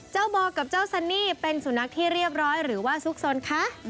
โมกับเจ้าซันนี่เป็นสุนัขที่เรียบร้อยหรือว่าซุกสนคะ